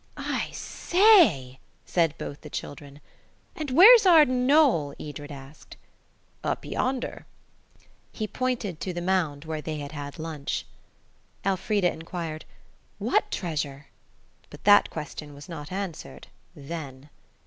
"I say!" said both the children. "And where's Arden Knoll?" Edred asked. "Up yonder." He pointed to the mound where they had had lunch. Elfrida inquired, "What treasure?" But that question was not answered–then.